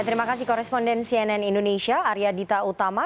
terima kasih koresponden cnn indonesia arya dita utama